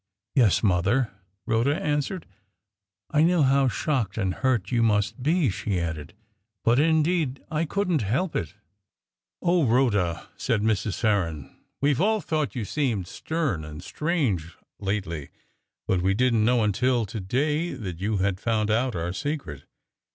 "Yes, mother," Rhoda answered. "I know how shocked and hurt you must be," she added. "But, indeed, I couldn't help it." "O Rhoda," said Mrs. Farren, "we've all thought you seemed stern and strange lately, but we didn't know until to day that you had found out our secret.